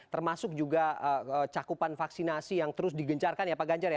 termasuk juga cakupan vaksinasi yang terus digencarkan ya pak ganjar ya